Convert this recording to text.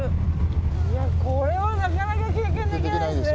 これはなかなか経験できないですね。